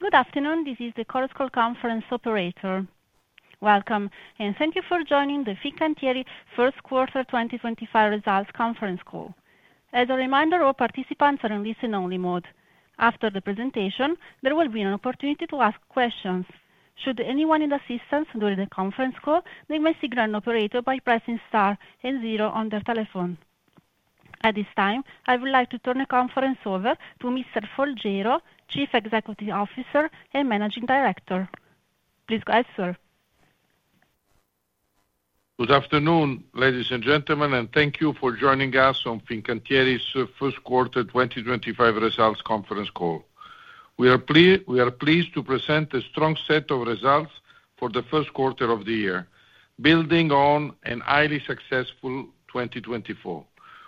Good afternoon, this is the Chorus Call Conference Operator. Welcome, and thank you for joining the Fincantieri First Quarter 2025 Results Conference Call. As a reminder, all participants are in listen-only mode. After the presentation, there will be an opportunity to ask questions. Should anyone need assistance during the conference call, they may signal an operator by pressing star and zero on their telephone. At this time, I would like to turn the conference over to Mr. Folgiero, Chief Executive Officer and Managing Director. Please go ahead, sir. Good afternoon, ladies and gentlemen, and thank you for joining us on Fincantieri's First Quarter 2025 Results Conference Call. We are pleased to present a strong set of results for the first quarter of the year, building on a highly successful 2024.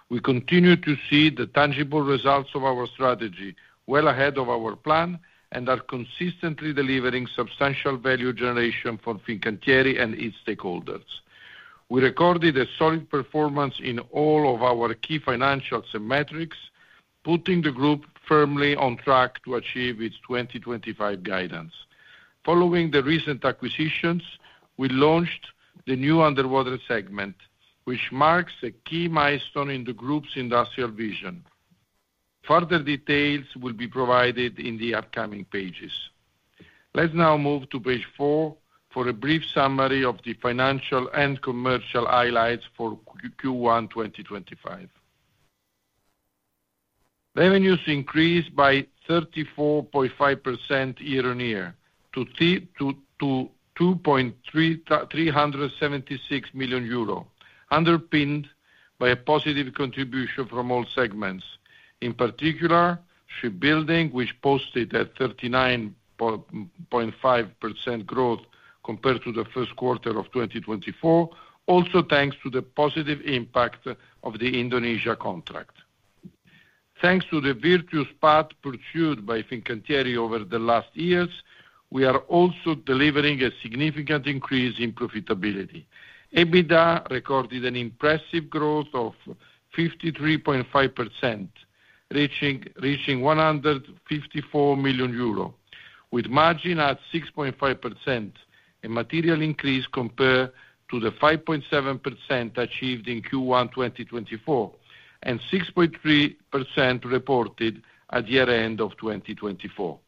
We continue to see the tangible results of our strategy, well ahead of our plan, and are consistently delivering substantial value generation for Fincantieri and its stakeholders. We recorded a solid performance in all of our key financials and metrics, putting the Group firmly on track to achieve its 2025 guidance. Following the recent acquisitions, we launched the new Underwater segment, which marks a key milestone in the Group's industrial vision. Further details will be provided in the upcoming pages. Let's now move to page four for a brief summary of the financial and commercial highlights for Q1 2025. Revenues increased by 34.5% year-on-year to 2.376 billion euro, underpinned by a positive contribution from all segments. In particular, shipbuilding, which posted a 39.5% growth compared to the first quarter of 2024, also thanks to the positive impact of the Indonesia contract. Thanks to the virtuous path pursued by Fincantieri over the last years, we are also delivering a significant increase in profitability. EBITDA recorded an impressive growth of 53.5%, reaching 154 million euro, with margin at 6.5%, a material increase compared to the 5.7% achieved in Q1 2024 and 6.3% reported at year-end of 2024.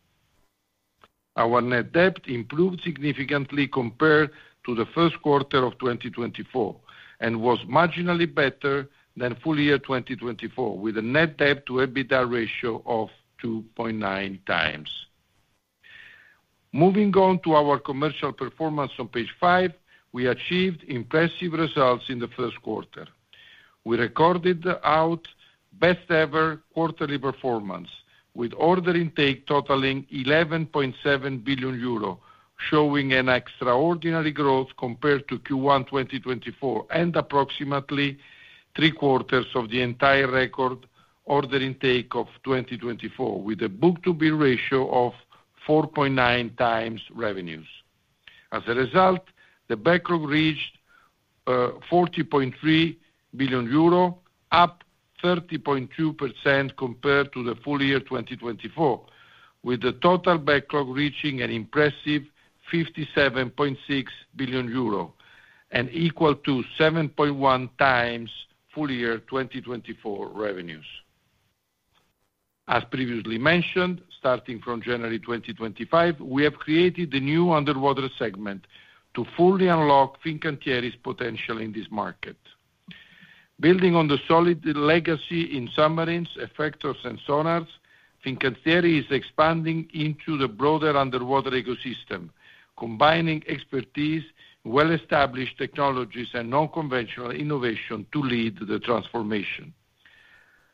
Our net debt improved significantly compared to the first quarter of 2024 and was marginally better than full year 2024, with a net debt-to-EBITDA ratio of 2.9x. Moving on to our commercial performance, on page five, we achieved impressive results in the first quarter. We recorded our best-ever quarterly performance, with order intake totaling 11.7 billion euro, showing an extraordinary growth compared to Q1 2024 and approximately 3/4 of the entire record order intake of 2024, with a book-to-bill ratio of 4.9 times revenues. As a result, the backlog reached 40.3 billion euro, up 30.2% compared to the full year 2024, with the total backlog reaching an impressive 57.6 billion euro, and equal to 7.1x full year 2024 revenues. As previously mentioned, starting from January 2025, we have created the new underwater segment to fully unlock Fincantieri's potential in this market. Building on the solid legacy in submarines, effectors, and sonars, Fincantieri is expanding into the broader underwater ecosystem, combining expertise, well-established technologies, and non-conventional innovation to lead the transformation.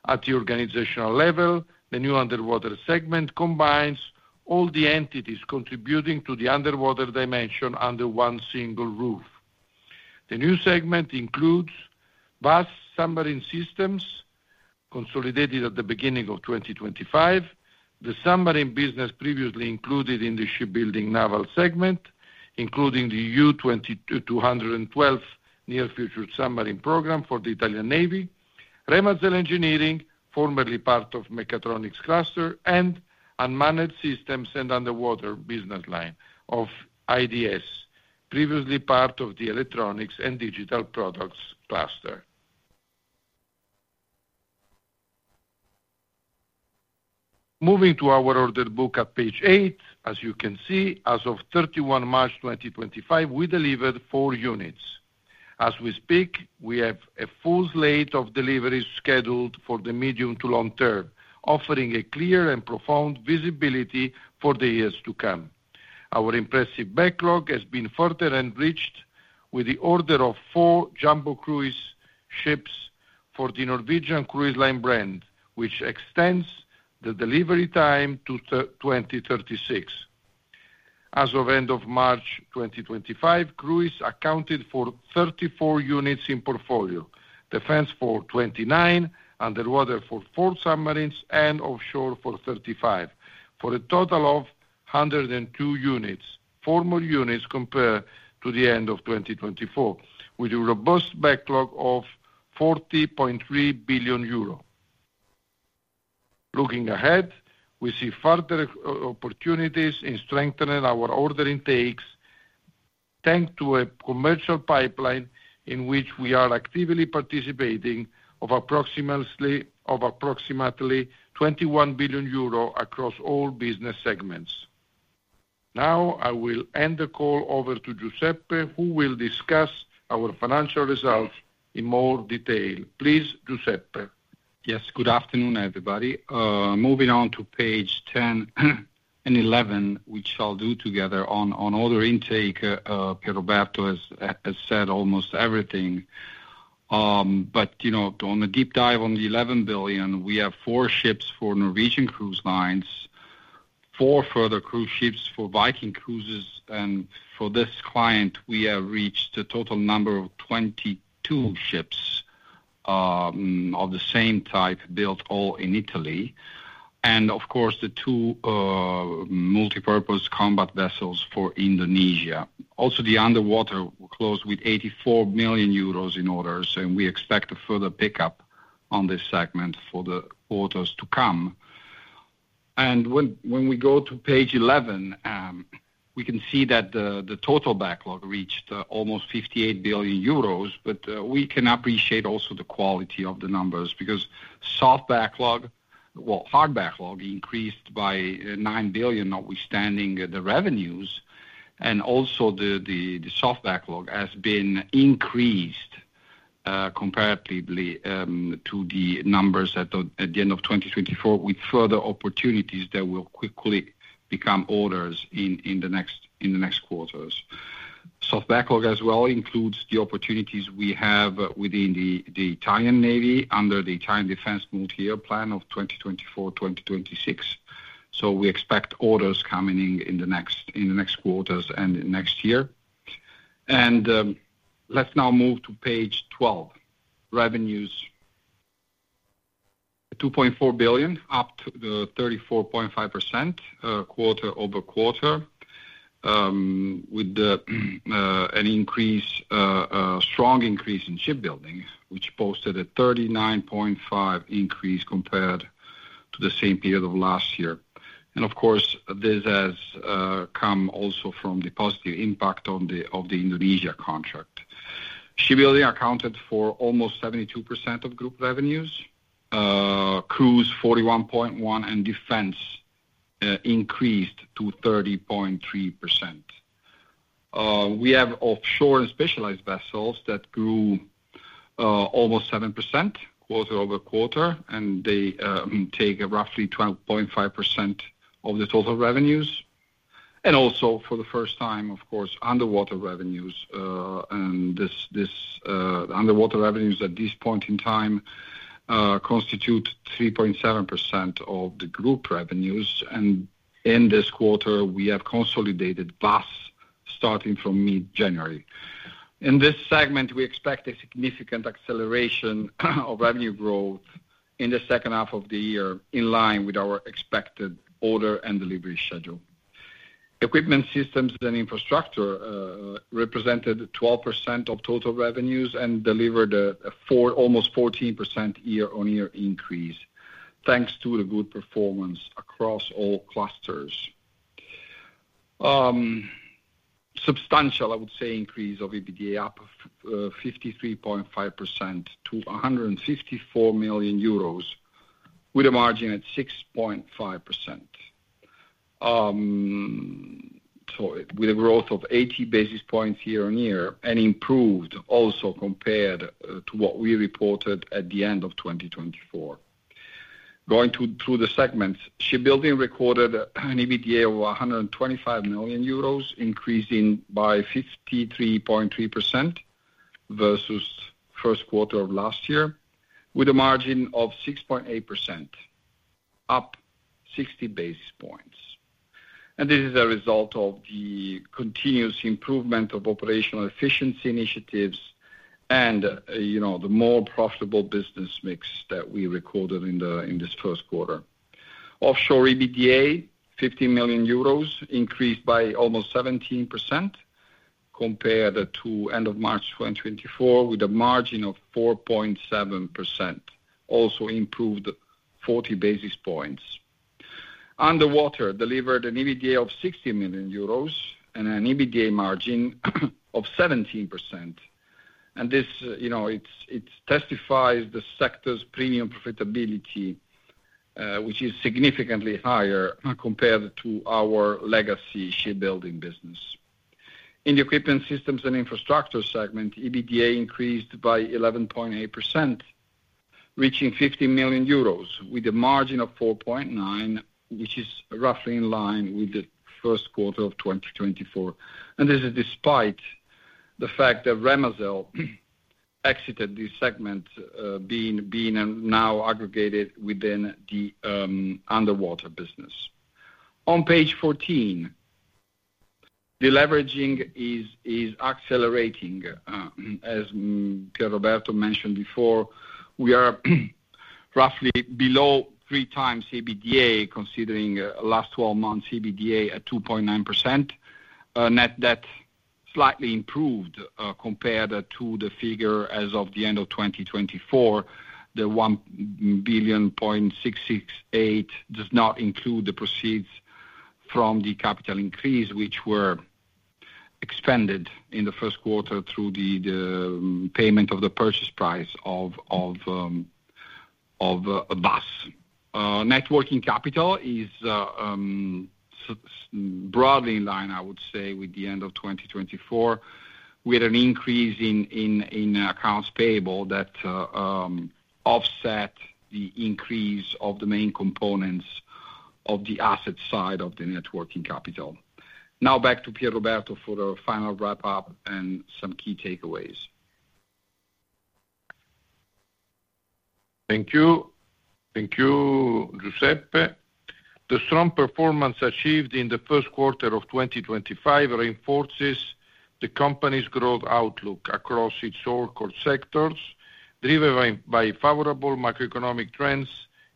At the organizational level, the new underwater segment combines all the entities contributing to the underwater dimension under one single roof. The new segment includes WASS Submarine Systems consolidated at the beginning of 2025, the submarine business previously included in the shipbuilding naval segment, including the U-212 Near-Future Submarine Program for the Italian Navy, Remazel Engineering, formerly part of the Mechatronics cluster, and Unmanned Systems and Underwater Business Line of IDS, previously part of the Electronics and Digital Products cluster. Moving to our order book at page eight, as you can see, as of 31 March 2025, we delivered four units. As we speak, we have a full slate of deliveries scheduled for the medium to long term, offering a clear and profound visibility for the years to come. Our impressive backlog has been further enriched with the order of four jumbo cruise ships for the Norwegian Cruise Line brand, which extends the delivery time to 2036. As of end of March 2025, cruise accounted for 34 units in portfolio, defense for 29, underwater for four submarines, and offshore for 35, for a total of 102 units, four more units compared to the end of 2024, with a robust backlog of 40.3 billion euro. Looking ahead, we see further opportunities in strengthening our order intakes, thanks to a commercial pipeline in which we are actively participating, of approximately 21 billion euro across all business segments. Now, I will end the call over to Giuseppe, who will discuss our financial results in more detail. Please, Giuseppe. Yes, good afternoon, everybody. Moving on to page 10 and 11, which I'll do together on order intake. Pierroberto has said almost everything. On the deep dive on the 11 billion, we have four ships for Norwegian Cruise Line, four further cruise ships for Viking Cruises, and for this client, we have reached a total number of 22 ships of the same type, built all in Italy, and, of course, the two multipurpose combat vessels for Indonesia. Also, the underwater closed with 84 million euros in orders, and we expect a further pickup on this segment for the quarters to come. When we go to page 11, we can see that the total backlog reached almost 58 billion euros, but we can appreciate also the quality of the numbers because soft backlog, hard backlog increased by 9 billion, outwithstanding the revenues, and also the soft backlog has been increased comparatively to the numbers at the end of 2024, with further opportunities that will quickly become orders in the next quarters. Soft backlog, as well, includes the opportunities we have within the Italian Navy under the Italian Defense Multi-Year Plan of 2024-2026. We expect orders coming in the next quarters and next year. Let's now move to page 12, revenues. EUR 2.4 billion, up 34.5% quarter-over-quarter, with an increase, a strong increase in shipbuilding, which posted a 39.5% increase compared to the same period of last year. Of course, this has come also from the positive impact of the Indonesia contract. Shipbuilding accounted for almost 72% of Group revenues, cruise 41.1%, and defense increased to 30.3%. We have offshore and specialized vessels that grew almost 7% quarter-over-quarter, and they take roughly 12.5% of the total revenues. Also, for the first time, underwater revenues, and these underwater revenues at this point in time constitute 3.7% of the Group revenues. In this quarter, we have consolidated WASS, starting from mid-January. In this segment, we expect a significant acceleration of revenue growth in the second half of the year, in line with our expected order and delivery schedule. Equipment systems and infrastructure represented 12% of total revenues and delivered an almost 14% year-on-year increase, thanks to the good performance across all clusters. Substantial, I would say, increase of EBITDA, up 53.5% to 154 million euros, with a margin at 6.5%. With a growth of 80 basis points year-on-year, and improved also compared to what we reported at the end of 2024. Going through the segments, shipbuilding recorded an EBITDA of 125 million euros, increasing by 53.3% versus first quarter of last year, with a margin of 6.8%, up 60 basis points. This is a result of the continuous improvement of operational efficiency initiatives and the more profitable business mix that we recorded in this first quarter. Offshore EBITDA, 15 million euros, increased by almost 17% compared to end of March 2024, with a margin of 4.7%, also improved 40 basis points. Underwater delivered an EBITDA of 60 million euros and an EBITDA margin of 17%. This testifies to the sector's premium profitability, which is significantly higher compared to our legacy shipbuilding business. In the equipment systems and infrastructure segment, EBITDA increased by 11.8%, reaching 15 million euros, with a margin of 4.9%, which is roughly in line with the first quarter of 2024. This is despite the fact that Remazel exited this segment, being now aggregated within the underwater business. On page 14, the leveraging is accelerating. As Pierroberto mentioned before, we are roughly below three times EBITDA, considering last 12 months EBITDA at 2.9 times. Net debt slightly improved compared to the figure as of the end of 2024. The 1.668 billion does not include the proceeds from the capital increase, which were expended in the first quarter through the payment of the purchase price of WASS. Networking capital is broadly in line, I would say, with the end of 2024, with an increase in accounts payable that offsets the increase of the main components of the asset side of the networking capital. Now, back to Pierroberto for a final wrap-up and some key takeaways. Thank you. Thank you, Giuseppe. The strong performance achieved in the first quarter of 2025 reinforces the company's growth outlook across its all-core sectors, driven by favorable macroeconomic trends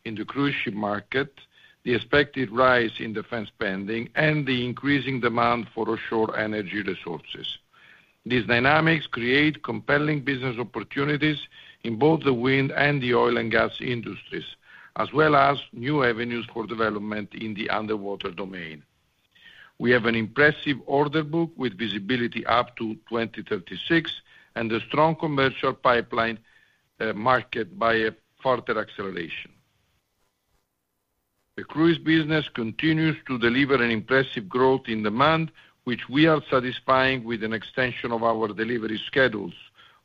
in the cruise ship market, the expected rise in defense spending, and the increasing demand for offshore energy resources. These dynamics create compelling business opportunities in both the wind and the oil and gas industries, as well as new avenues for development in the underwater domain. We have an impressive order book with visibility up to 2036 and a strong commercial pipeline marked by a further acceleration. The cruise business continues to deliver an impressive growth in demand, which we are satisfying with an extension of our delivery schedules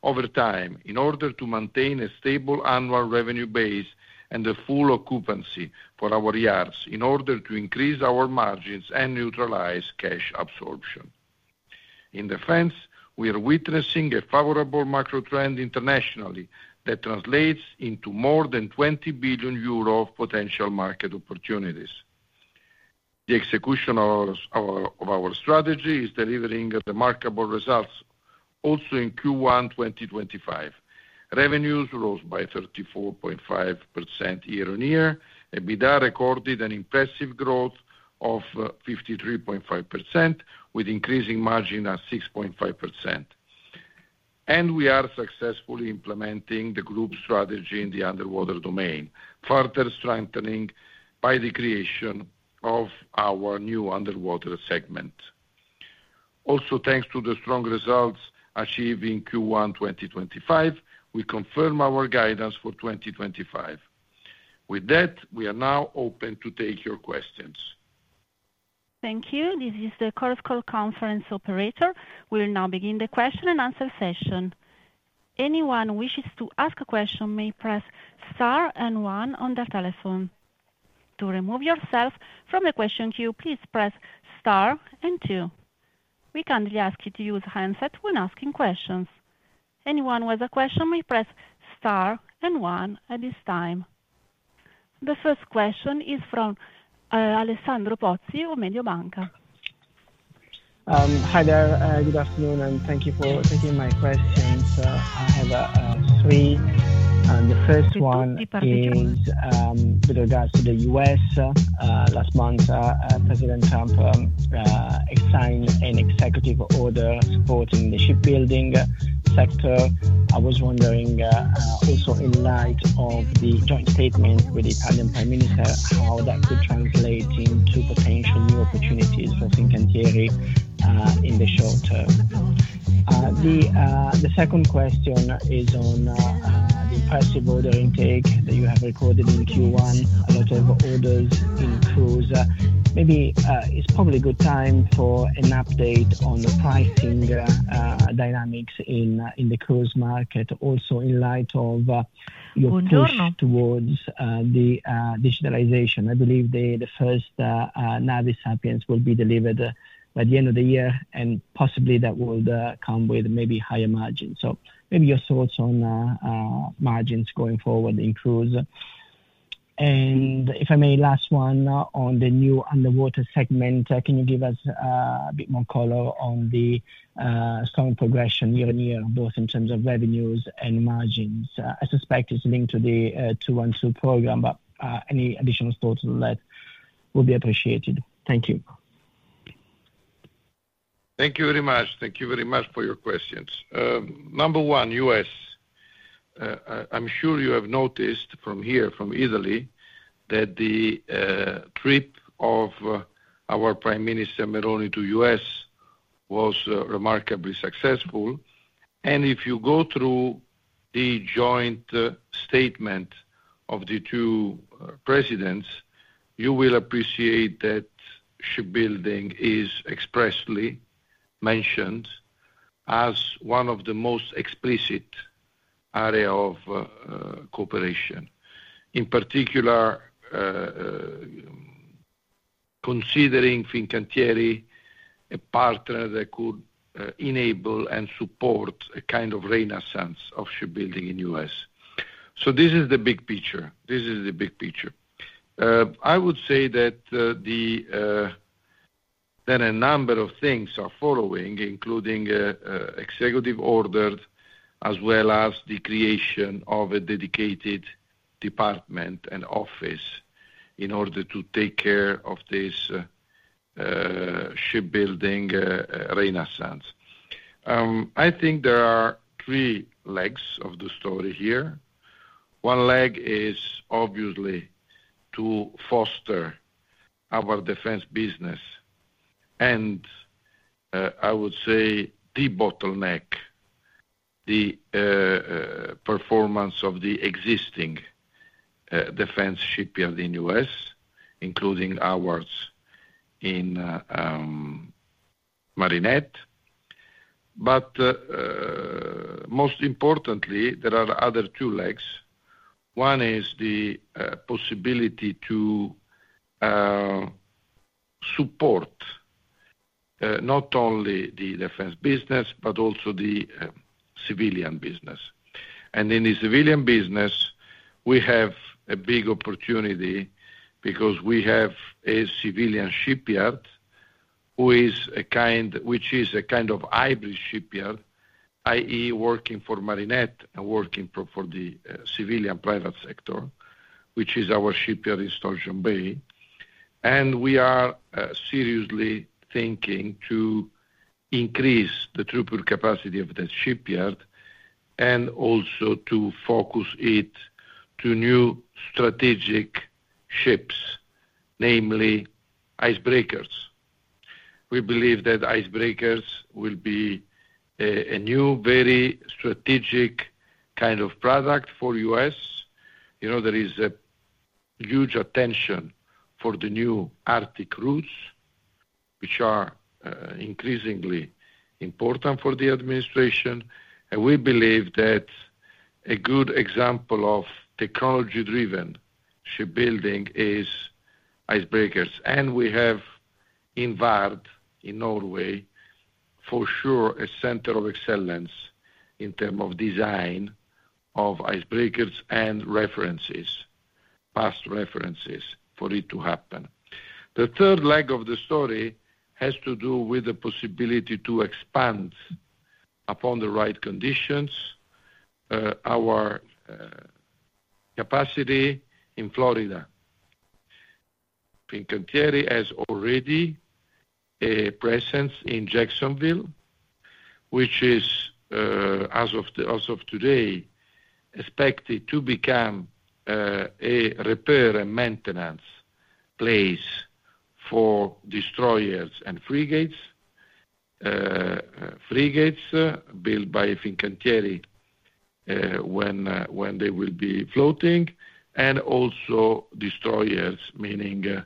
over time in order to maintain a stable annual revenue base and a full occupancy for our yards in order to increase our margins and neutralize cash absorption. In defense, we are witnessing a favorable macro trend internationally that translates into more than 20 billion euro of potential market opportunities. The execution of our strategy is delivering remarkable results also in Q1 2025. Revenues rose by 34.5% year-on-year. EBITDA recorded an impressive growth of 53.5%, with increasing margin at 6.5%. We are successfully implementing the Group strategy in the underwater domain, further strengthened by the creation of our new underwater segment. Also, thanks to the strong results achieved in Q1 2025, we confirm our guidance for 2025. With that, we are now open to take your questions. Thank you. This is the Chorus Call Conference Operator. We will now begin the question and answer session. Anyone who wishes to ask a question may press star and one on their telephone. To remove yourself from the question queue, please press star and two. We kindly ask you to use handsets when asking questions. Anyone with a question may press star and one at this time. The first question is from Alessandro Pozzi of Mediobanca. Hi there. Good afternoon, and thank you for taking my questions, sir. I have three. The first one is with regards to the U.S. Last month, President Trump signed an executive order supporting the shipbuilding sector. I was wondering, also in light of the joint statement with the Italian Prime Minister, how that could translate into potential new opportunities for Fincantieri in the short term. The second question is on the impressive order intake that you have recorded in Q1. A lot of orders in cruise. Maybe it's probably a good time for an update on the pricing dynamics in the cruise market, also in light of your push towards the digitalization. I believe the first Navis Sapiens will be delivered by the end of the year, and possibly that would come with maybe higher margins. So maybe your thoughts on margins going forward in cruise. If I may, last one on the new underwater segment, can you give us a bit more color on the strong progression year-on-year, both in terms of revenues and margins? I suspect it's linked to the 212 program, but any additional thoughts on that would be appreciated. Thank you. Thank you very much. Thank you very much for your questions. Number one, U.S. I'm sure you have noticed from here, from Italy, that the trip of our Prime Minister Meloni to the U.S. was remarkably successful. If you go through the joint statement of the two presidents, you will appreciate that shipbuilding is expressly mentioned as one of the most explicit areas of cooperation, in particular, considering Fincantieri a partner that could enable and support a kind of renaissance of shipbuilding in the U.S. This is the big picture. I would say that a number of things are following, including executive orders, as well as the creation of a dedicated department and office in order to take care of this shipbuilding renaissance. I think there are three legs of the story here. One leg is obviously to foster our defense business, and I would say the bottleneck, the performance of the existing defense shipyard in the U.S., including ours in Marinette. Most importantly, there are other two legs. One is the possibility to support not only the defense business, but also the civilian business. In the civilian business, we have a big opportunity because we have a civilian shipyard which is a kind of hybrid shipyard, i.e., working for Marinette and working for the civilian private sector, which is our shipyard in Sturgeon Bay. We are seriously thinking to increase the trooping capacity of that shipyard and also to focus it to new strategic ships, namely icebreakers. We believe that icebreakers will be a new, very strategic kind of product for the U.S. There is a huge attention for the new Arctic routes, which are increasingly important for the administration. We believe that a good example of technology-driven shipbuilding is icebreakers. We have Vard in Norway, for sure, a center of excellence in terms of design of icebreakers and references, past references for it to happen. The third leg of the story has to do with the possibility to expand, upon the right conditions, our capacity in Florida. Fincantieri has already a presence in Jacksonville, which is, as of today, expected to become a repair and maintenance place for destroyers and frigates, frigates built by Fincantieri when they will be floating, and also destroyers, meaning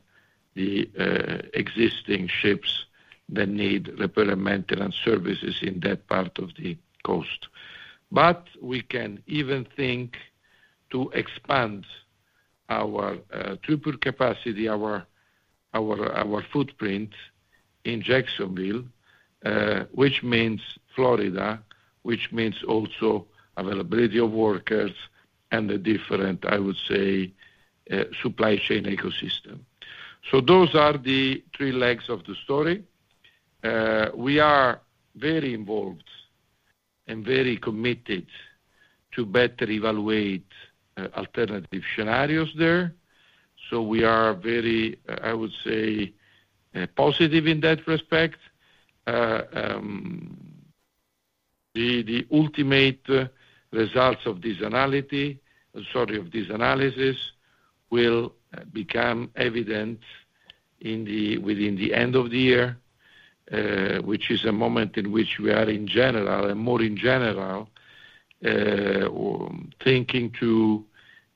the existing ships that need repair and maintenance services in that part of the coast. But we can even think to expand our trooping capacity, our footprint in Jacksonville, which means Florida, which means also availability of workers and the different, I would say, supply chain ecosystem. Those are the three legs of the story. We are very involved and very committed to better evaluate alternative scenarios there. We are very, I would say, positive in that respect. The ultimate results of this analysis will become evident within the end of the year, which is a moment in which we are, in general, and more in general, thinking to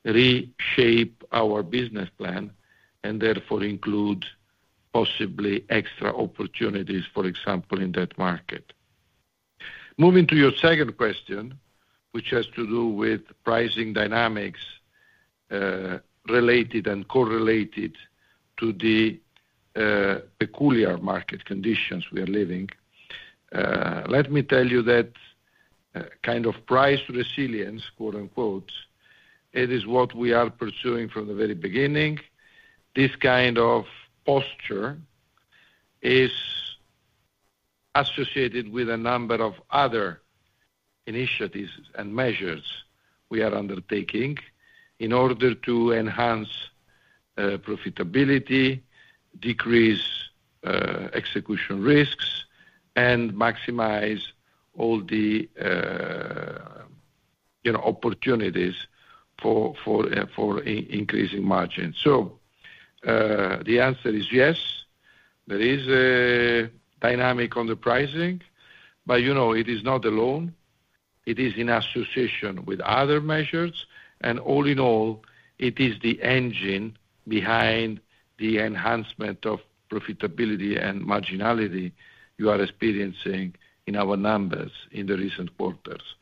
reshape our business plan and therefore include possibly extra opportunities, for example, in that market. Moving to your second question, which has to do with pricing dynamics related and correlated to the peculiar market conditions we are living, let me tell you that kind of price resilience, quote-unquote, it is what we are pursuing from the very beginning. This kind of posture is associated with a number of other initiatives and measures we are undertaking in order to enhance profitability, decrease execution risks, and maximize all the opportunities for increasing margins. The answer is yes. There is a dynamic on the pricing, but it is not alone. It is in association with other measures. All in all, it is the engine behind the enhancement of profitability and marginality you are experiencing in our numbers in the recent quarters.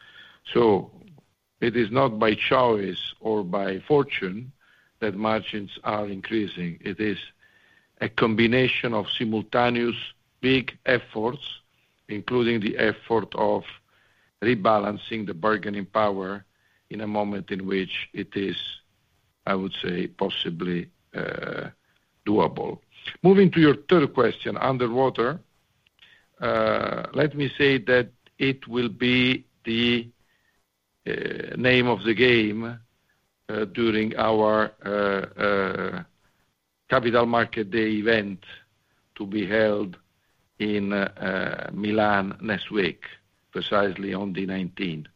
It is not by choice or by fortune that margins are increasing. It is a combination of simultaneous big efforts, including the effort of rebalancing the bargaining power in a moment in which it is, I would say, possibly doable. Moving to your third question, underwater, let me say that it will be the name of the game during our Capital Market Day event to be held in Milan next week, precisely on the 19th.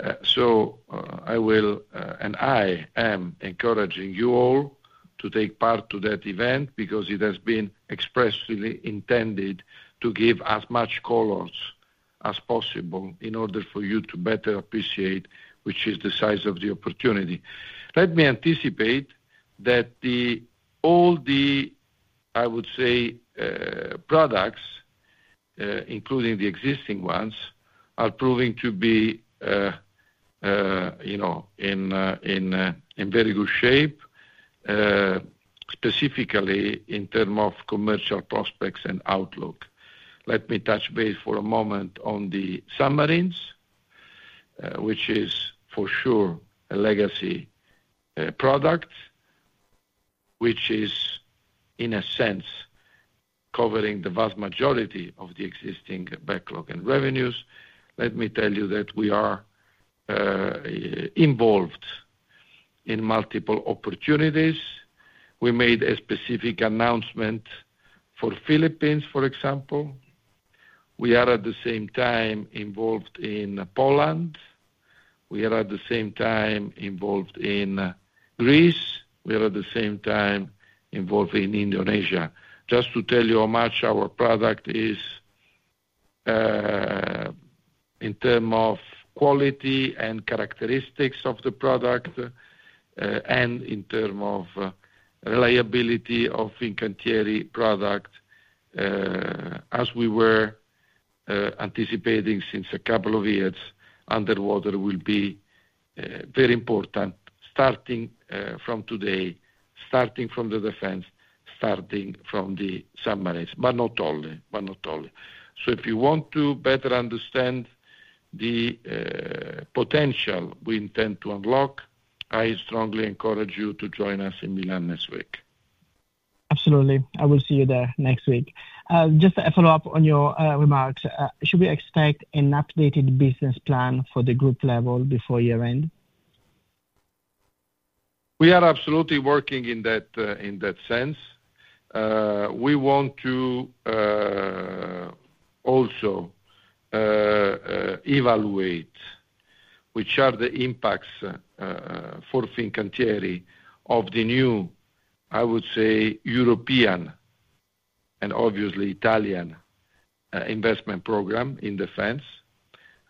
I will, and I am encouraging you all to take part to that event because it has been expressly intended to give as much colors as possible in order for you to better appreciate which is the size of the opportunity. Let me anticipate that all the, I would say, products, including the existing ones, are proving to be in very good shape, specifically in terms of commercial prospects and outlook. Let me touch base for a moment on the submarines, which is for sure a legacy product, which is, in a sense, covering the vast majority of the existing backlog and revenues. Let me tell you that we are involved in multiple opportunities. We made a specific announcement for the Philippines, for example. We are, at the same time, involved in Poland. We are, at the same time, involved in Greece. We are, at the same time, involved in Indonesia. Just to tell you how much our product is in terms of quality and characteristics of the product and in terms of reliability of Fincantieri product, as we were anticipating since a couple of years, underwater will be very important, starting from today, starting from the defense, starting from the submarines, but not only, but not only. If you want to better understand the potential we intend to unlock, I strongly encourage you to join us in Milan next week. Absolutely. I will see you there next week. Just a follow-up on your remarks. Should we expect an updated business plan for the group level before year-end? We are absolutely working in that sense. We want to also evaluate which are the impacts for Fincantieri of the new, I would say, European and obviously Italian investment program in defense.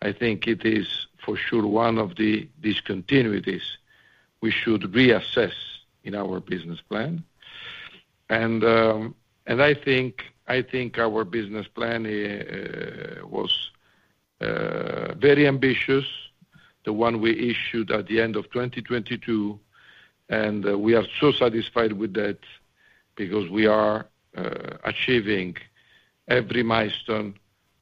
I think it is for sure one of the discontinuities we should reassess in our business plan. I think our business plan was very ambitious, the one we issued at the end of 2022. We are so satisfied with that because we are achieving every milestone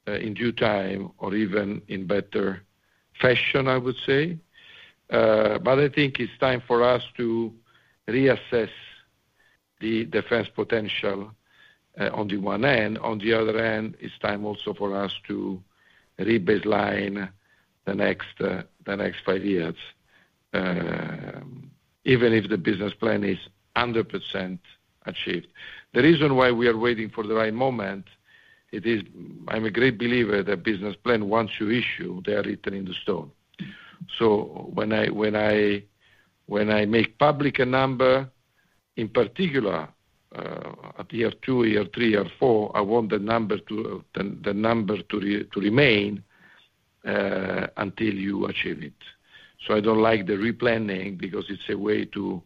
in due time or even in better fashion, I would say. I think it's time for us to reassess the defense potential on the one end. On the other end, it's time also for us to rebaseline the next five years, even if the business plan is 100% achieved. The reason why we are waiting for the right moment, it is I'm a great believer that business plan, once you issue, they are written in the stone. So when I make public a number, in particular, at year two, year three, year four, I want the number to remain until you achieve it. I don't like the replanning because it's a way to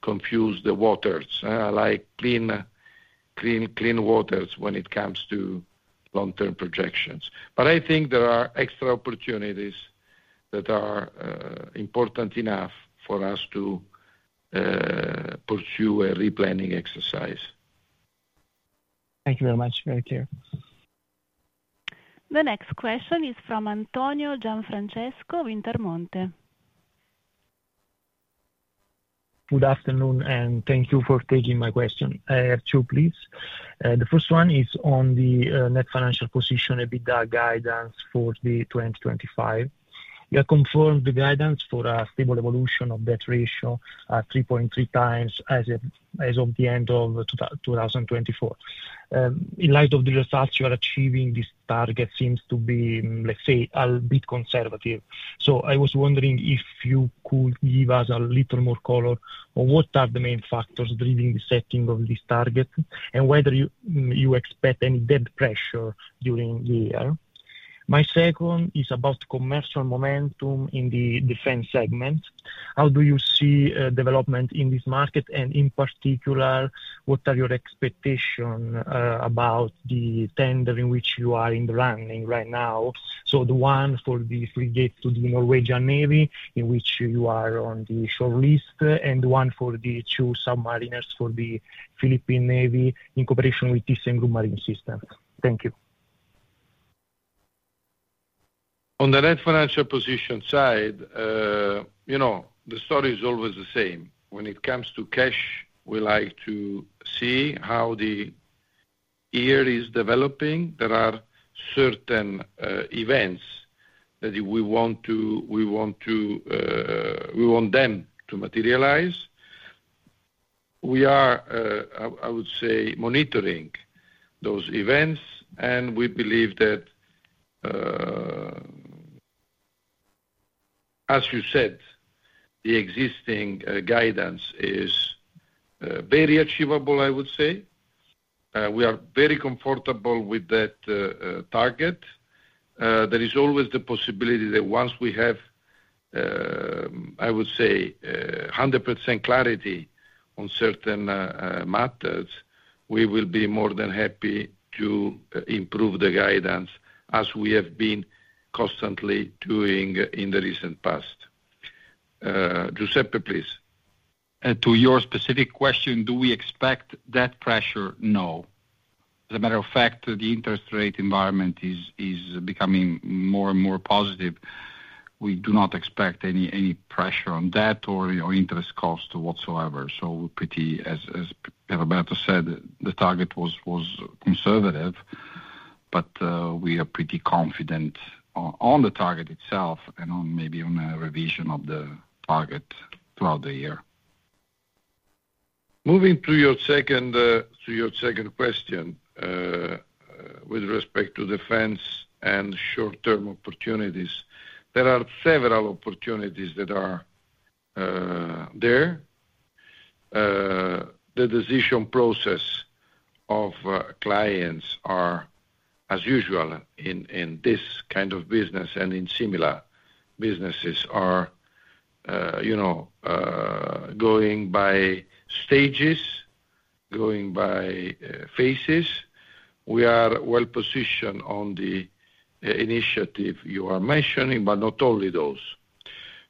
reconfuse the waters. I like clean waters when it comes to long-term projections. I think there are extra opportunities that are important enough for us to pursue a replanning exercise. Thank you very much. Very clear. The next question is from Antonio Gianfrancesco Wintermonte. Good afternoon, and thank you for taking my question. I have two, please. The first one is on the net financial position EBITDA guidance for 2025. You have confirmed the guidance for a stable evolution of debt ratio at 3.3 times as of the end of 2024. In light of the results you are achieving, this target seems to be, let's say, a bit conservative. I was wondering if you could give us a little more color on what are the main factors driving the setting of this target and whether you expect any debt pressure during the year. My second is about commercial momentum in the defense segment. How do you see development in this market? In particular, what are your expectations about the tender in which you are in the running right now? The one for the frigate to the Norwegian Navy, in which you are on the short list, and the one for the two submarines for the Philippine Navy in cooperation with ThyssenKrupp Marine Systems. Thank you. On the net financial position side, the story is always the same. When it comes to cash, we like to see how the year is developing. There are certain events that we want to materialize. We are, I would say, monitoring those events. We believe that, as you said, the existing guidance is very achievable, I would say. We are very comfortable with that target. There is always the possibility that once we have, I would say, 100% clarity on certain matters, we will be more than happy to improve the guidance, as we have been constantly doing in the recent past. Giuseppe, please. To your specific question, do we expect debt pressure? No. As a matter of fact, the interest rate environment is becoming more and more positive. We do not expect any pressure on debt or interest costs whatsoever. We are pretty, as Pierroberto said, the target was conservative, but we are pretty confident on the target itself and maybe on a revision of the target throughout the year. Moving to your second question with respect to defense and short-term opportunities, there are several opportunities that are there. The decision process of clients, as usual in this kind of business and in similar businesses, are going by stages, going by phases. We are well positioned on the initiative you are mentioning, but not only those.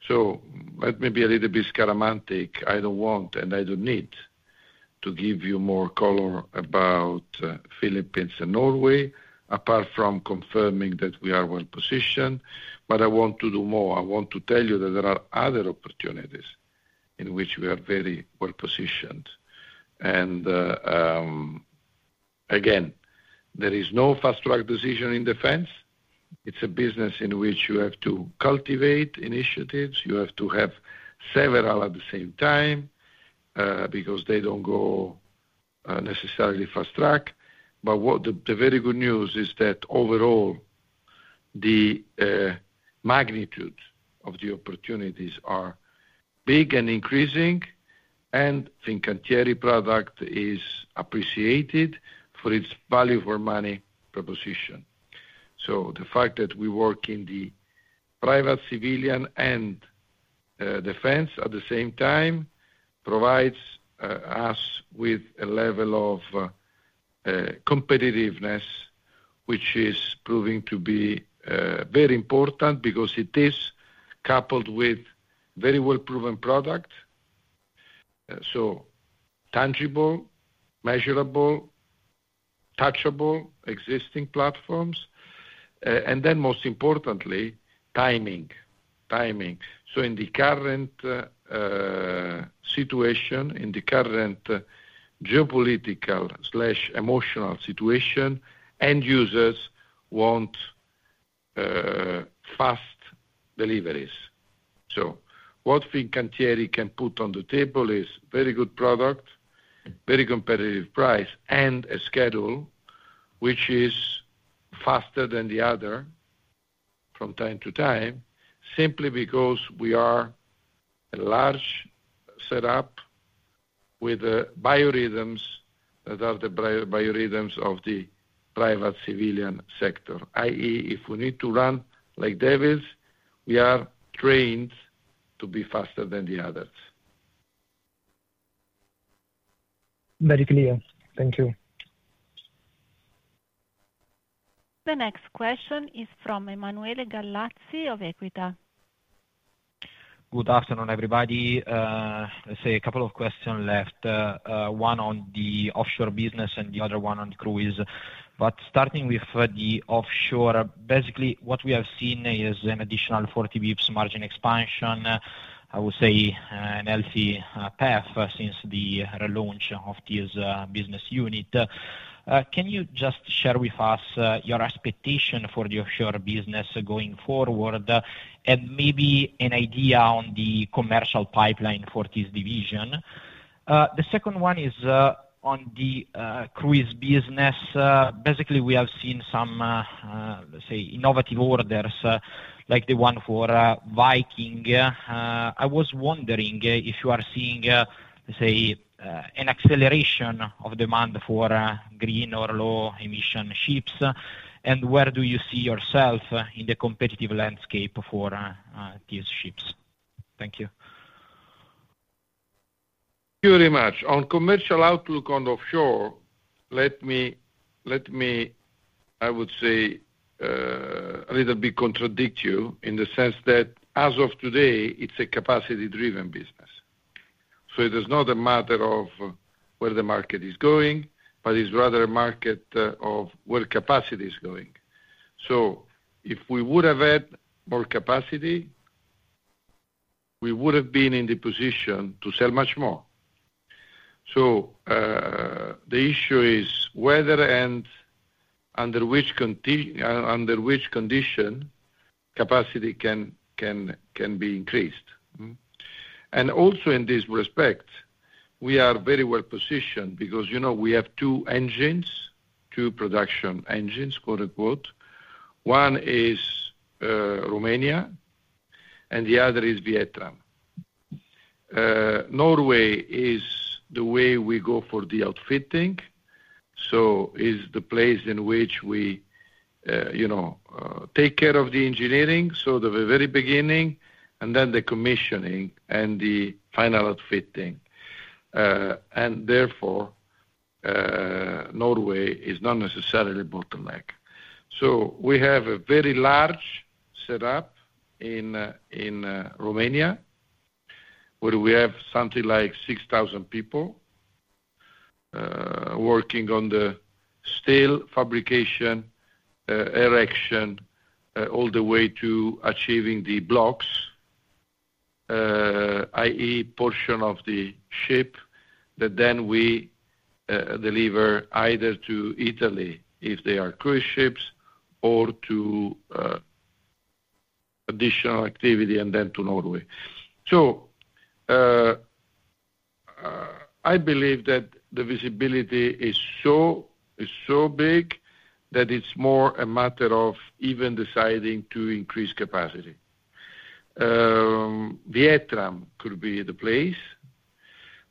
Let me be a little bit scaramantic. I do not want and I do not need to give you more color about the Philippines and Norway, apart from confirming that we are well positioned. I want to do more. I want to tell you that there are other opportunities in which we are very well positioned. Again, there is no fast-track decision in defense. It is a business in which you have to cultivate initiatives. You have to have several at the same time because they do not go necessarily fast-track. The very good news is that overall, the magnitude of the opportunities are big and increasing. Fincantieri product is appreciated for its value for money proposition. The fact that we work in the private, civilian, and defense at the same time provides us with a level of competitiveness, which is proving to be very important because it is coupled with very well-proven product. Tangible, measurable, touchable existing platforms. Most importantly, timing. Timing. In the current situation, in the current geopolitical/emotional situation, end users want fast deliveries. What Fincantieri can put on the table is very good product, very competitive price, and a schedule which is faster than the other from time to time, simply because we are a large setup with biorhythms that are the biorhythms of the private, civilian sector. I.e., if we need to run like devils, we are trained to be faster than the others. Very clear. Thank you. The next question is from Emanuele Gallazzi of Equita. Good afternoon, everybody. Let's say a couple of questions left. One on the offshore business and the other one on cruise. Starting with the offshore, basically, what we have seen is an additional 40 basis points margin expansion, I would say a healthy path since the launch of this business unit. Can you just share with us your expectation for the offshore business going forward and maybe an idea on the commercial pipeline for this division? The second one is on the cruise business. Basically, we have seen some, let's say, innovative orders like the one for Viking. I was wondering if you are seeing, let's say, an acceleration of demand for green or low-emission ships. Where do you see yourself in the competitive landscape for these ships? Thank you. Very much. On commercial outlook on offshore, let me, I would say, a little bit contradict you in the sense that as of today, it's a capacity-driven business. It is not a matter of where the market is going, but it's rather a market of where capacity is going. If we would have had more capacity, we would have been in the position to sell much more. The issue is whether and under which condition capacity can be increased. Also in this respect, we are very well positioned because we have two engines, "two production engines". One is Romania, and the other is Vietnam. Norway is the way we go for the outfitting. It is the place in which we take care of the engineering, so the very beginning, and then the commissioning and the final outfitting. Therefore, Norway is not necessarily bottleneck. We have a very large setup in Romania where we have something like 6,000 people working on the steel fabrication, erection, all the way to achieving the blocks, i.e., portion of the ship that then we deliver either to Italy if they are cruise ships or to additional activity and then to Norway. I believe that the visibility is so big that it's more a matter of even deciding to increase capacity. Vietnam could be the place.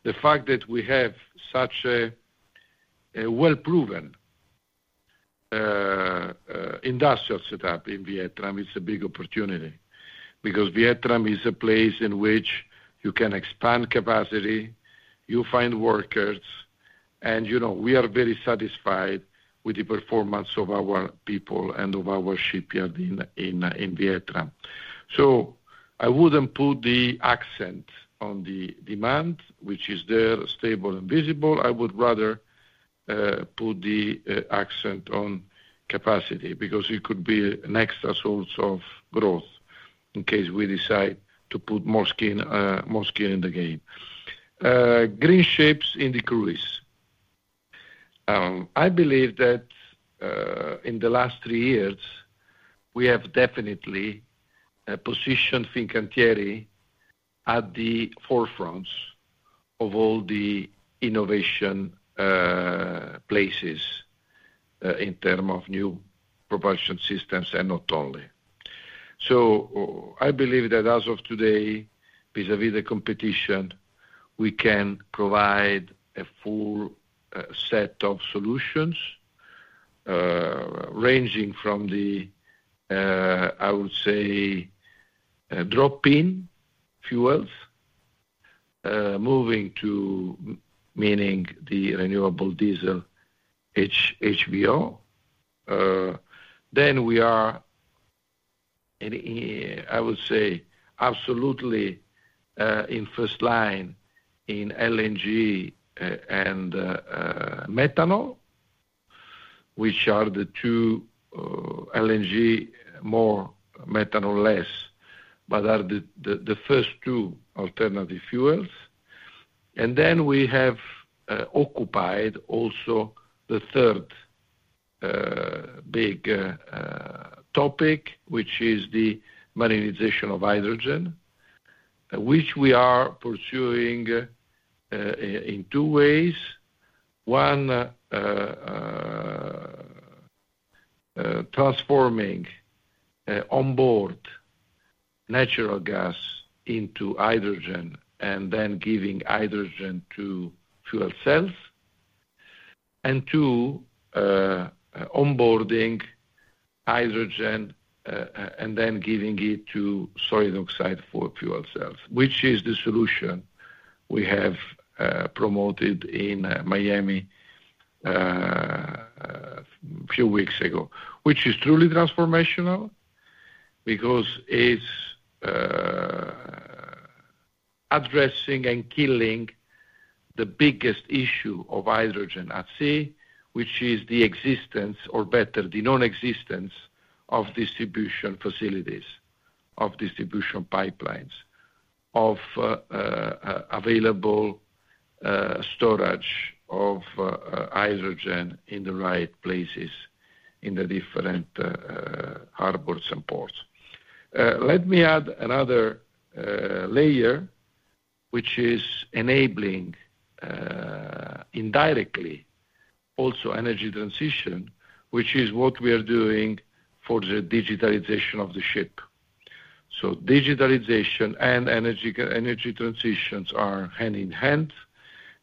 The fact that we have such a well-proven industrial setup in Vietnam, it's a big opportunity because Vietnam is a place in which you can expand capacity, you find workers, and we are very satisfied with the performance of our people and of our shipyard in Vietnam. I wouldn't put the accent on the demand, which is there, stable and visible. I would rather put the accent on capacity because it could be an extra source of growth in case we decide to put more skin in the game. Green shapes in the cruise. I believe that in the last three years, we have definitely positioned Fincantieri at the forefront of all the innovation places in terms of new propulsion systems and not only. I believe that as of today, vis-à-vis the competition, we can provide a full set of solutions ranging from the, I would say, drop-in fuels, moving to meaning the renewable diesel HVO. I would say, absolutely in first line in LNG and methanol, which are the two LNG, more methanol less, but are the first two alternative fuels. We have occupied also the third big topic, which is the marinization of hydrogen, which we are pursuing in two ways. One, transforming onboard natural gas into hydrogen and then giving hydrogen to fuel cells. Two, onboarding hydrogen and then giving it to solid oxide for fuel cells, which is the solution we have promoted in Miami a few weeks ago, which is truly transformational because it is addressing and killing the biggest issue of hydrogen at sea, which is the existence, or better, the non-existence of distribution facilities, of distribution pipelines, of available storage of hydrogen in the right places in the different harbors and ports. Let me add another layer, which is enabling indirectly also energy transition, which is what we are doing for the digitalization of the ship. Digitalization and energy transitions are hand in hand.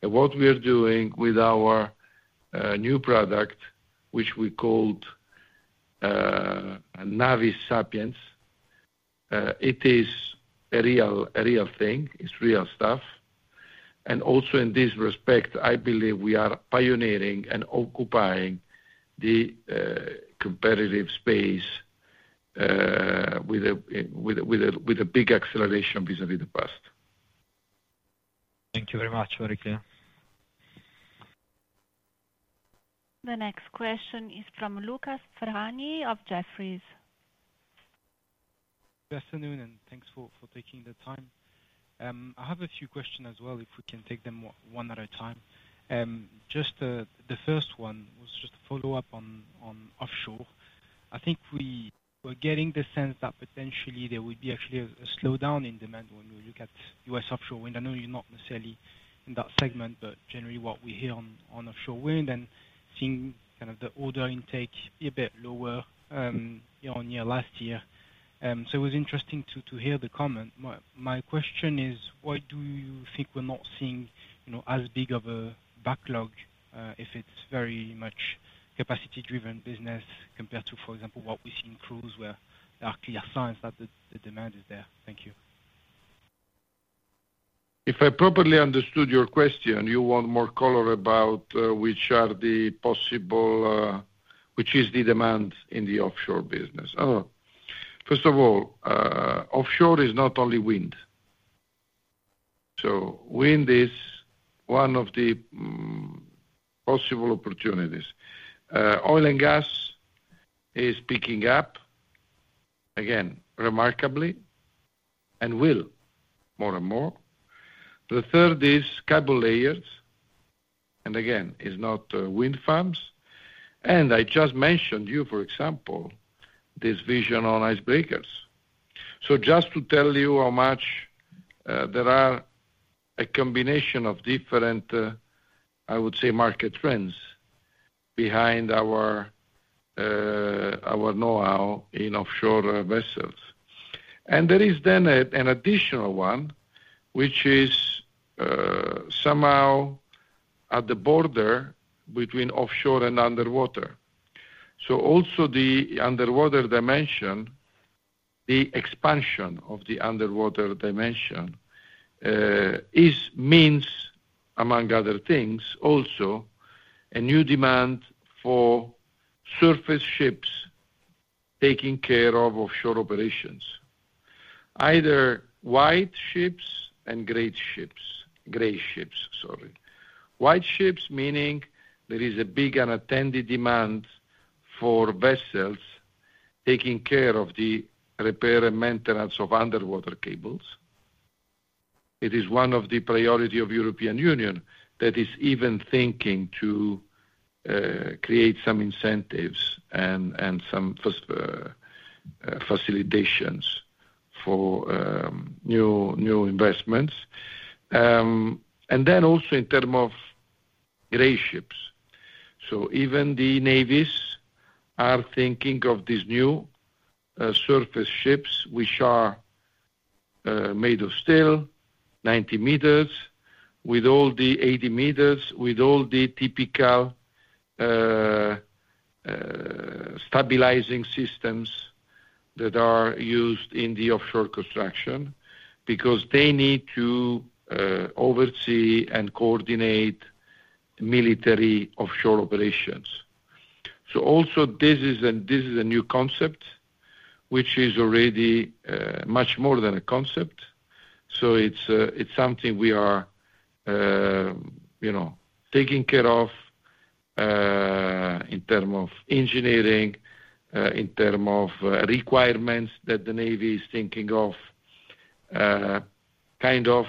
What we are doing with our new product, which we called Navis Sapiens, it is a real thing. It is real stuff. Also in this respect, I believe we are pioneering and occupying the competitive space with a big acceleration vis-à-vis the past. Thank you very much, very clear. The next question is from Luca Ferrani of Jefferies. Good afternoon, and thanks for taking the time. I have a few questions as well, if we can take them one at a time. Just the first one was just a follow-up on offshore. I think we were getting the sense that potentially there would be actually a slowdown in demand when we look at U.S. offshore wind. I know you're not necessarily in that segment, but generally what we hear on offshore wind and seeing kind of the order intake be a bit lower year on year last year. It was interesting to hear the comment. My question is, why do you think we're not seeing as big of a backlog if it's very much capacity-driven business compared to, for example, what we see in cruise where there are clear signs that the demand is there? Thank you. If I properly understood your question, you want more color about which are the possible, which is the demand in the offshore business. First of all, offshore is not only wind. Wind is one of the possible opportunities. Oil and gas is picking up again, remarkably, and will more and more. The third is cable layers. It is not wind farms. I just mentioned to you, for example, this vision on icebreakers. Just to tell you how much there are a combination of different, I would say, market trends behind our know-how in offshore vessels. There is then an additional one, which is somehow at the border between offshore and underwater. Also, the underwater dimension, the expansion of the underwater dimension, means, among other things, also a new demand for surface ships taking care of offshore operations, either white ships and grey ships. Grey ships, sorry. White ships, meaning there is a big unattended demand for vessels taking care of the repair and maintenance of underwater cables. It is one of the priorities of the European Union that is even thinking to create some incentives and some facilitations for new investments. Also in terms of grey ships, even the navies are thinking of these new surface ships, which are made of steel, 90 meters, with all the 80 meters, with all the typical stabilizing systems that are used in the offshore construction because they need to oversee and coordinate military offshore operations. Also this is a new concept, which is already much more than a concept. It's something we are taking care of in terms of engineering, in terms of requirements that the navy is thinking of, kind of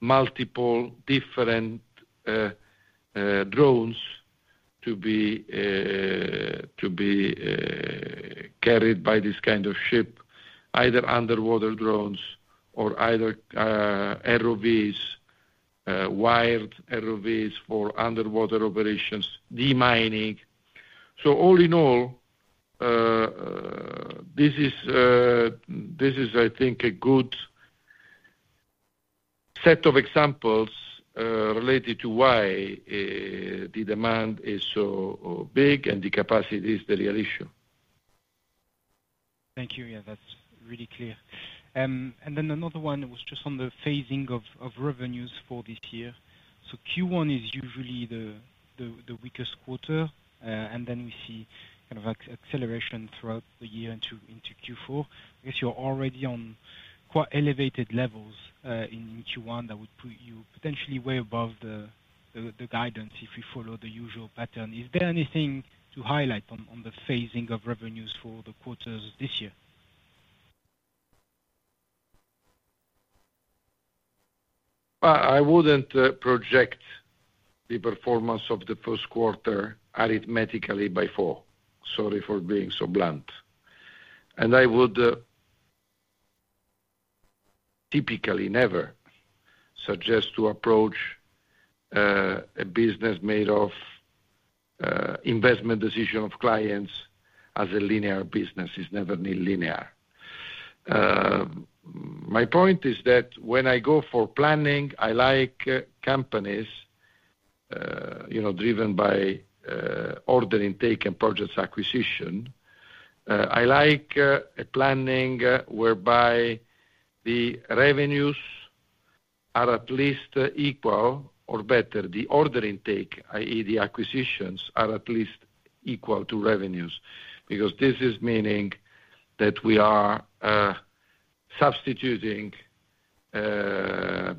multiple different drones to be carried by this kind of ship, either underwater drones or ROVs, wired ROVs for underwater operations, de-mining. All in all, this is, I think, a good set of examples related to why the demand is so big and the capacity is the real issue. Thank you. Yeah, that's really clear. Another one was just on the phasing of revenues for this year. Q1 is usually the weakest quarter, and then we see kind of acceleration throughout the year into Q4. I guess you're already on quite elevated levels in Q1 that would put you potentially way above the guidance if we follow the usual pattern. Is there anything to highlight on the phasing of revenues for the quarters this year? I would not project the performance of the first quarter arithmetically by four. Sorry for being so blunt. I would typically never suggest to approach a business made of investment decision of clients as a linear business. It is never linear. My point is that when I go for planning, I like companies driven by order intake and projects acquisition. I like a planning whereby the revenues are at least equal, or better, the order intake, i.e., the acquisitions are at least equal to revenues because this is meaning that we are substituting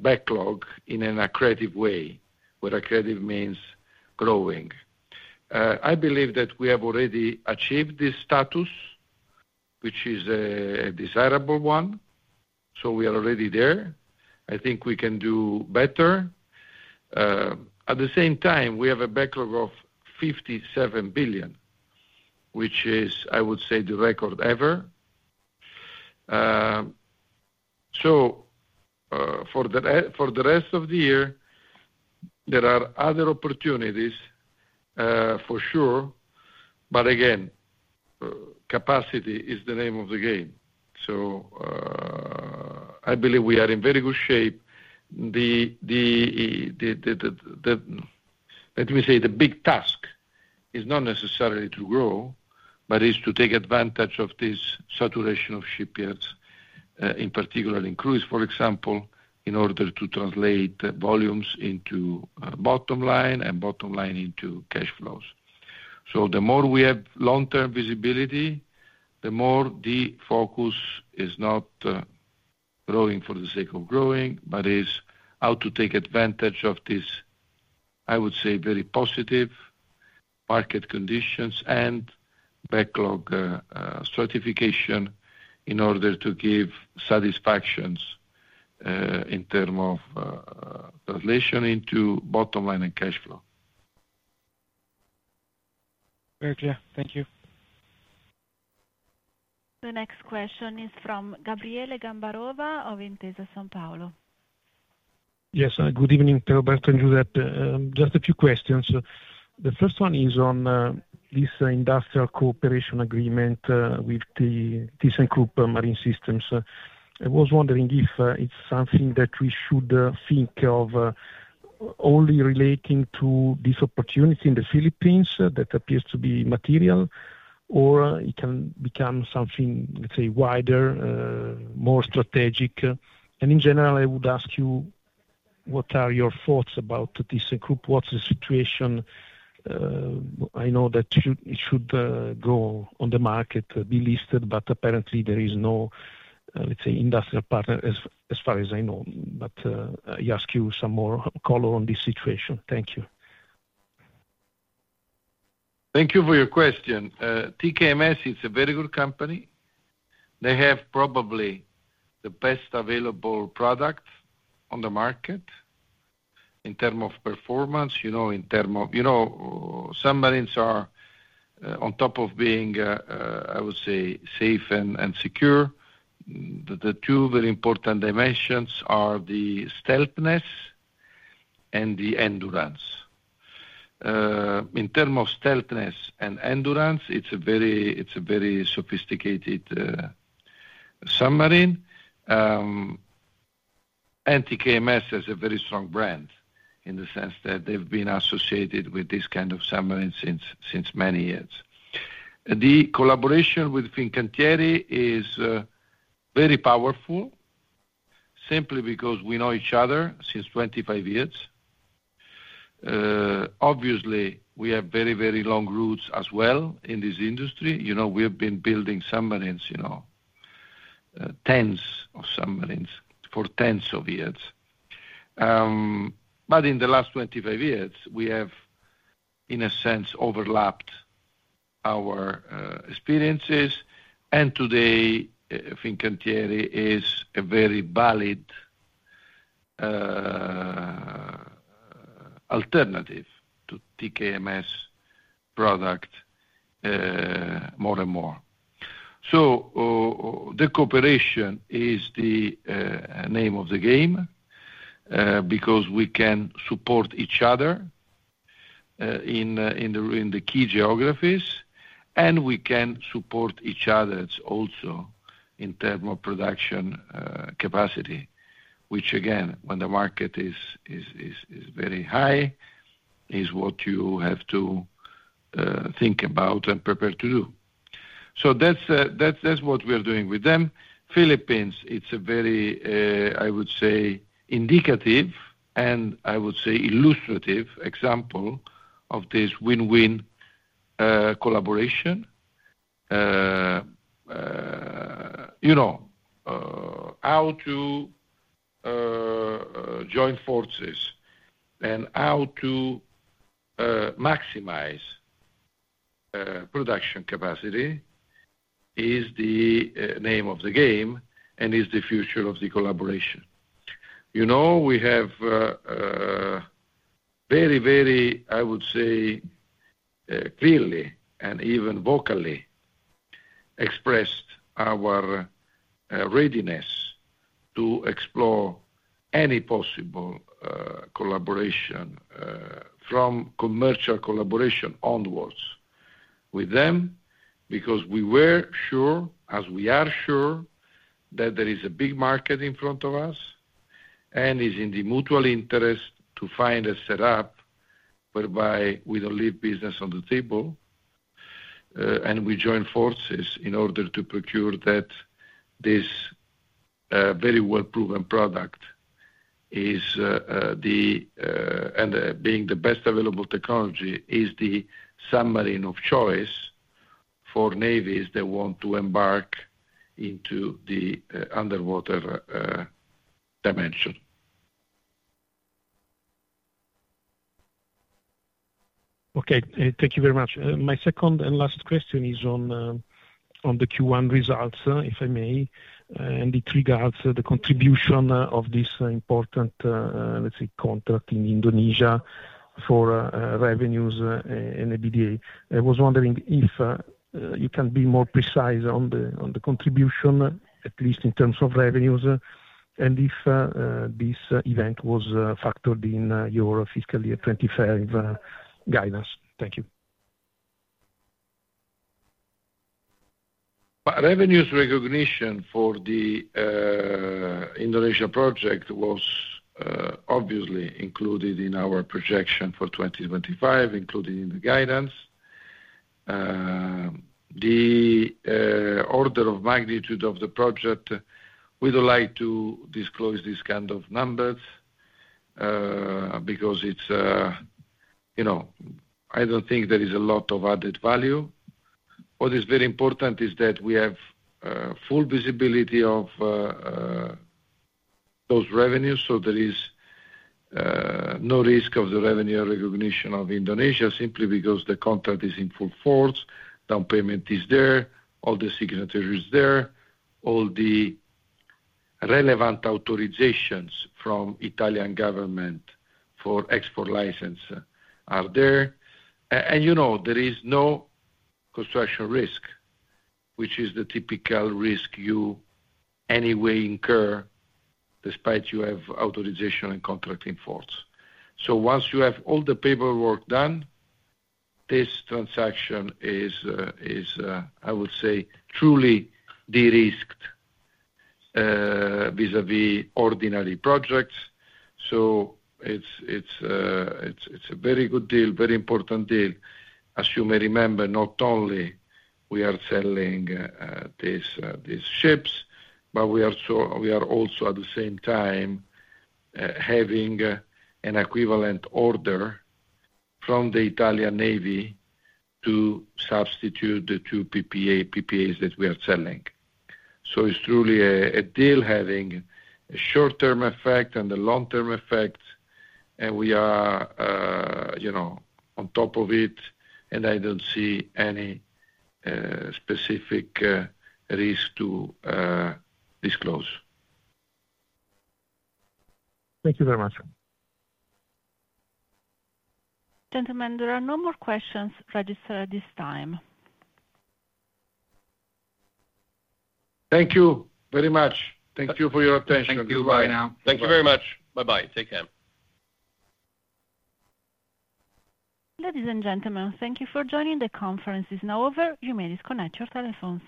backlog in an accretive way, where accretive means growing. I believe that we have already achieved this status, which is a desirable one. We are already there. I think we can do better. At the same time, we have a backlog of 57 billion, which is, I would say, the record ever. For the rest of the year, there are other opportunities for sure. But again, capacity is the name of the game. I believe we are in very good shape. Let me say the big task is not necessarily to grow, but it is to take advantage of this saturation of shipyards, in particular in cruise, for example, in order to translate volumes into bottom line and bottom line into cash flows. The more we have long-term visibility, the more the focus is not growing for the sake of growing, but is how to take advantage of this, I would say, very positive market conditions and backlog stratification in order to give satisfactions in terms of translation into bottom line and cash flow. Very clear. Thank you. The next question is from Gabriele Gambarova of Intesa Sanpaolo. Yes. Good evening, Giuseppe. Just a few questions. The first one is on this industrial cooperation agreement with the ThyssenKrupp Marine Systems. I was wondering if it's something that we should think of only relating to this opportunity in the Philippines that appears to be material, or it can become something, let's say, wider, more strategic. In general, I would ask you what are your thoughts about ThyssenKrupp? What's the situation? I know that it should go on the market, be listed, but apparently there is no, let's say, industrial partner as far as I know. I ask you some more color on this situation. Thank you. Thank you for your question. TKMS is a very good company. They have probably the best available product on the market in terms of performance. In terms of submarines are on top of being, I would say, safe and secure. The two very important dimensions are the stealthiness and the endurance. In terms of stealthiness and endurance, it is a very sophisticated submarine. And TKMS has a very strong brand in the sense that they have been associated with this kind of submarine since many years. The collaboration with Fincantieri is very powerful simply because we know each other since 25 years. Obviously, we have very, very long roots as well in this industry. We have been building submarines, tens of submarines for tens of years. In the last 25 years, we have, in a sense, overlapped our experiences. Today, Fincantieri is a very valid alternative to TKMS product more and more. The cooperation is the name of the game because we can support each other in the key geographies, and we can support each other also in terms of production capacity, which, again, when the market is very high, is what you have to think about and prepare to do. That is what we are doing with them. Philippines, it's a very, I would say, indicative and I would say illustrative example of this win-win collaboration, how to join forces and how to maximize production capacity is the name of the game and is the future of the collaboration. We have very, very, I would say, clearly and even vocally expressed our readiness to explore any possible collaboration from commercial collaboration onwards with them because we were sure, as we are sure, that there is a big market in front of us, and it is in the mutual interest to find a setup whereby we do not leave business on the table and we join forces in order to procure that this very well-proven product is the, and being the best available technology, is the submarine of choice for navies that want to embark into the underwater dimension. Okay. Thank you very much. My second and last question is on the Q1 results, if I may, and it regards the contribution of this important, let's say, contract in Indonesia for revenues and EBITDA. I was wondering if you can be more precise on the contribution, at least in terms of revenues, and if this event was factored in your fiscal year 2025 guidance. Thank you. Revenues recognition for the Indonesia project was obviously included in our projection for 2025, included in the guidance. The order of magnitude of the project, we do not like to disclose these kinds of numbers because I do not think there is a lot of added value. What is very important is that we have full visibility of those revenues, so there is no risk of the revenue recognition of Indonesia simply because the contract is in full force, down payment is there, all the signatures are there, all the relevant authorizations from the Italian government for export license are there. There is no construction risk, which is the typical risk you anyway incur despite you have authorization and contract in force. Once you have all the paperwork done, this transaction is, I would say, truly de-risked vis-à-vis ordinary projects. It is a very good deal, very important deal. As you may remember, not only are we selling these ships, but we are also at the same time having an equivalent order from the Italian Navy to substitute the two PPAs that we are selling. It is truly a deal having a short-term effect and a long-term effect, and we are on top of it, and I do not see any specific risk to disclose. Thank you very much. Gentlemen, there are no more questions registered at this time. Thank you very much. Thank you for your attention. Thank you. Bye now. Thank you very much. Bye-bye. Take care. Ladies and gentlemen, thank you for joining the conference. It's now over. You may disconnect your telephones.